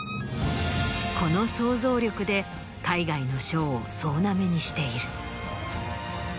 この想像力で海外の賞を総なめにしている。